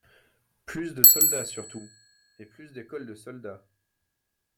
Plus de soldats surtout, et plus d'écoles de soldats.